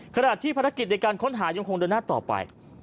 ขณะที่ภารกิจในการค้นหายังคงเดินหน้าต่อไป